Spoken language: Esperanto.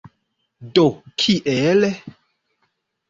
Do kiel?